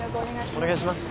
お願いします